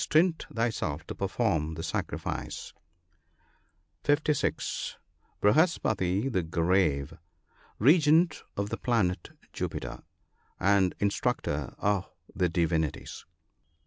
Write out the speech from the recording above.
stint thyself to perform the sacrifice. NOTES. 153 (56.) • Vrihaspati the Grave. — Regent of the planet Jupiter, and In structor of the divinities.